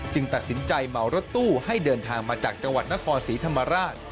ตัดสินใจเหมารถตู้ให้เดินทางมาจากจังหวัดนครศรีธรรมราช